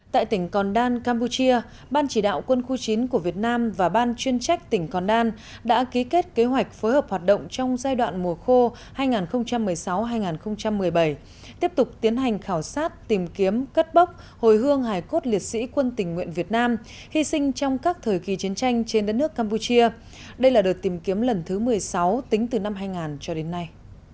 tại tỉnh còn đan campuchia ban chỉ đạo quân khu chính của việt nam và ban chuyên trách tỉnh còn đan đã ký kết kế hoạch phối hợp hoạt động trong giai đoạn mùa khô hai nghìn một mươi sáu hai nghìn một mươi bảy tiếp tục tiến hành khảo sát tìm kiếm cất bốc hồi hương hải cốt liệt sĩ quân tỉnh nguyện việt nam hy sinh trong các thời kỳ chiến tranh trên đất nước campuchia đây là đợt tìm kiếm lần thứ một mươi sáu tính từ năm hai nghìn cho đến nay